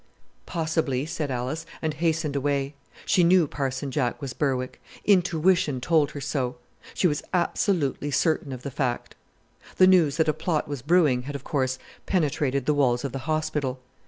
"Possibly," said Alice, and hastened away. She knew "Parson Jack" was Berwick. Intuition told her so. She was absolutely certain of the fact. The news that a plot was brewing had, of course, penetrated the walls of the hospital.